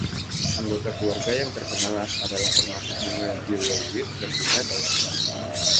Anggota keluarga yang terkenal adalah termasuk bunga jewelweed dan bunga balsam.